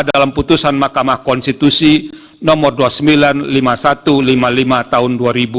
dalam putusan mahkamah konstitusi nomor dua puluh sembilan lima puluh satu lima puluh lima tahun dua ribu dua puluh